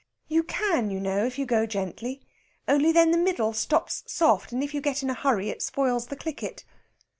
You can, you know, if you go gently. Only then the middle stops soft, and if you get in a hurry it spoils the clicket."